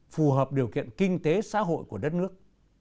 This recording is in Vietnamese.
phù hợp điều kiện kinh tế xã hội của đất nước